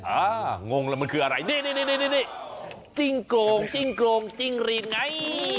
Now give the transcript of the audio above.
อ่างงแล้วมันคืออะไรนี่จิ้งโกงจิ้งโกงจิ้งหลีดไง